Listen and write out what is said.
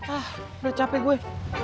ah udah capek gue